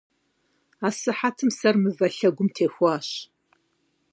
Асыхьэтым сэр мывэ лъэгум техуащ.